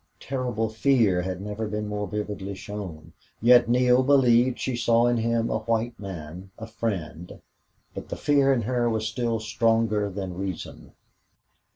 Terrible fear had never been more vividly shown, yet Neale believed she saw in him a white man, a friend. But the fear in her was still stronger than reason.